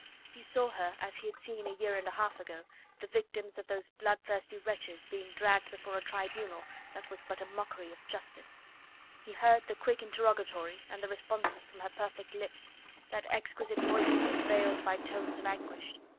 He saw her as he had seen a year and a half ago the victims of those bloodthirsty wretches being dragged before a tribunal that was but a mockery of justice; he heard the quick interrogatory, and the responses from her perfect lips, that exquisite voice of hers veiled by tones of anguish.